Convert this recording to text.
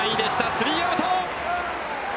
スリーアウト。